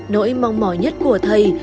nỗi mong mỏi nhất của thầy